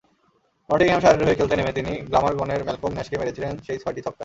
নটিংহ্যামশায়ারের হয়ে খেলতে নেমে তিনি গ্ল্যামারগনের ম্যালকম ন্যাশকে মেরেছিলেন সেই ছয়টি ছক্কা।